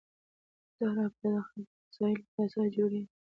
دا رابطه د اخلاقي فضایلو پر اساس جوړېږي.